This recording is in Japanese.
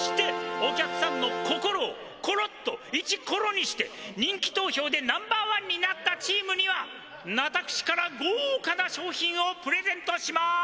お客さんのココロをコロッとイチコロにして人気投票でナンバーワンになったチームには私からごうかな賞品をプレゼントします！